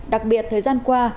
đặc biệt thời gian qua